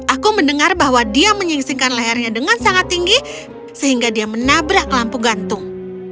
aku mendengar bahwa dia menyingsingkan lehernya dengan sangat tinggi sehingga dia menabrak lampu gantung